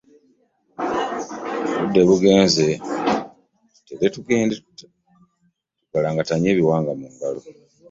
Obudde bugenze tutele tugende tugalangatanye ebiwangu mu ngalo.